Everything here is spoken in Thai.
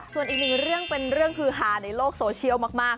ส่วนอีกหนึ่งเรื่องเป็นเรื่องคือฮาในโลกโซเชียลมาก